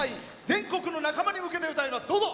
全国の仲間に向けて歌います。